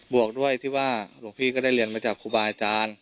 วกด้วยที่ว่าหลวงพี่ก็ได้เรียนมาจากครูบาอาจารย์